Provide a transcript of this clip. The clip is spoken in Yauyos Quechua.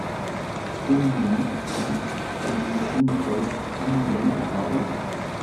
Umnibusćhi kanan punćhaw hamuyan, ¿aw?